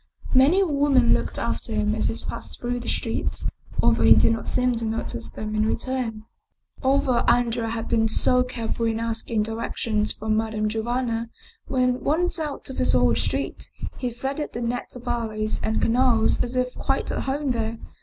Many a woman looked after him as he passed through the streets, although he did not seem to notice them in return. Although Andrea had been so careful in asking direc tions from Madame Giovanna, when once out of his own street he threaded the net of alleys and canals as if quite at home there.